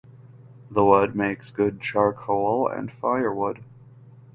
The wood makes good charcoal and firewood.